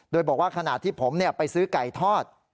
โดยบอกว่าขณะที่ผมไปซื้อไก่ทอด